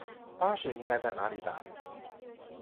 巴士应该在哪里搭？